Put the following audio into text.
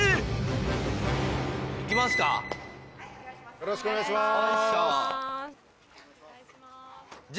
よろしくお願いします。